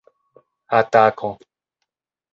atako